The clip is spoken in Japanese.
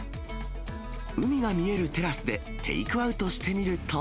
海が見えるテラスでテイクアウトして見ると。